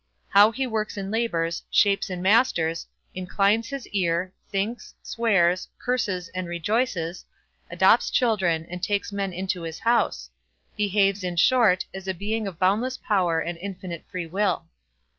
How he works and labours, shapes and masters, inclines his ear, thinks, swears, curses, and rejoices, adopts children, and takes men into his house; behaves, in short, as a being of boundless power and infinite free will.